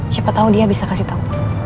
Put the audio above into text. siapa tau dia bisa kasih tau